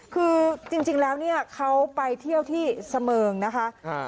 คือจริงแล้วเนี่ยเขาไปเที่ยวที่เสมิงนะคะ